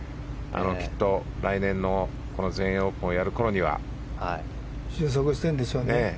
きっと来年の全英オープンをやるころには。収束しているでしょうね。